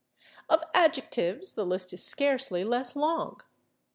Of adjectives the list is scarcely less long.